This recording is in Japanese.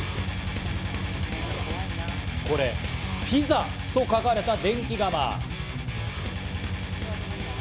これピザと書かれた電気窯。